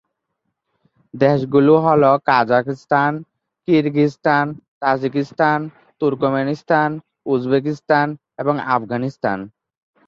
দেশগুলো হলো Kazakhstan, Kyrgyzstan, Tajikistan, Turkmenistan, Uzbekistan এবং আফগানিস্তান।